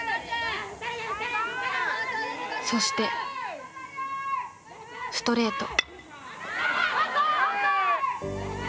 そしてストレート。